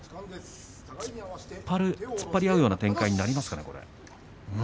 突っ張り合うような展開になりますかね。